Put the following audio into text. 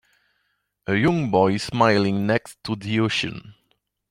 A young boy smiling next to the ocean